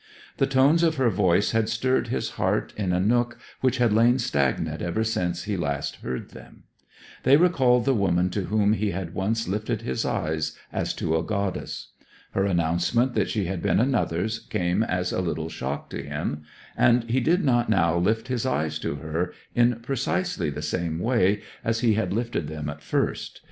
The tones of her voice had stirred his heart in a nook which had lain stagnant ever since he last heard them. They recalled the woman to whom he had once lifted his eyes as to a goddess. Her announcement that she had been another's came as a little shock to him, and he did not now lift his eyes to her in precisely the same way as he had lifted them at first.